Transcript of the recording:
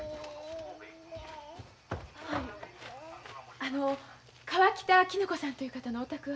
あの河北絹子さんという方のお宅は。